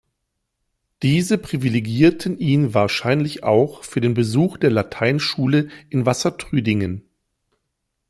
Diese privilegierten ihn wahrscheinlich auch für den Besuch der Lateinschule in Wassertrüdingen.